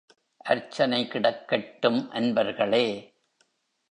அர்ச்சனை கிடக்கட்டும் அன்பர்களே!